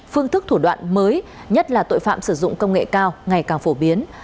phương thức thủ đoạn mới nhất là tội phạm sử dụng công nghệ cao ngày càng phổ biến